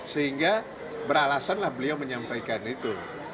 sehingga beralasanlah beliau menyampaikan itu